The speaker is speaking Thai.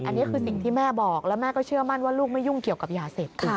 อันนี้คือสิ่งที่แม่บอกแล้วแม่ก็เชื่อมั่นว่าลูกไม่ยุ่งเกี่ยวกับยาเสพติด